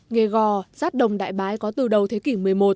nghề gò sát đồng đại bái có từ đầu thế kỷ một mươi một